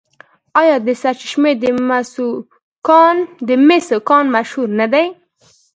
آیا د سرچشمې د مسو کان مشهور نه دی؟